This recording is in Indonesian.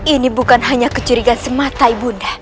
ini bukan hanya kecurigaan semata ibu nda